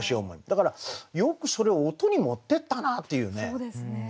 だからよくそれを音に持ってったなっていうね。